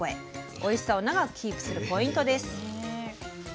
おいしさを長くキープするポイントです。